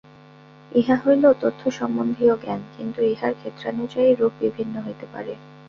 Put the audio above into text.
ইহা হইল তথ্য-সম্বন্ধীয় জ্ঞান, কিন্তু ইহার ক্ষেত্রানুযায়ী রূপ বিভিন্ন হইতে পারে।